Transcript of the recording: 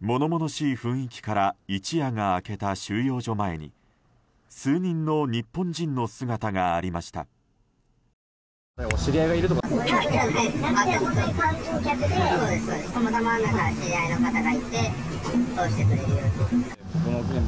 物々しい雰囲気から一夜が明けた収容所前に数人の日本人の姿がありました。